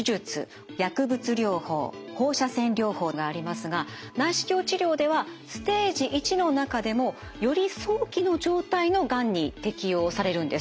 薬物療法放射線療法がありますが内視鏡治療ではステージⅠの中でもより早期の状態のがんに適応されるんです。